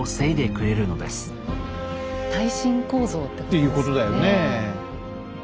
いうことだよね。